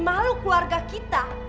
malu keluarga kita